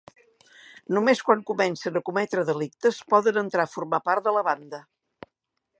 Només quan comencen a cometre delictes poden entrar a formar part de la banda.